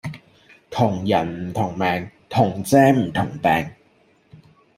同人唔同命同遮唔同柄